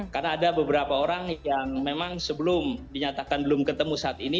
karena ada beberapa orang yang memang sebelum dinyatakan belum ketemu saat ini